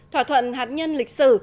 thỏa thuận hạt nhân lịch sử